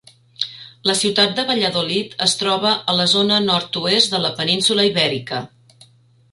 La ciutat de Valladolid es troba a la zona nord-oest de la península Ibèrica.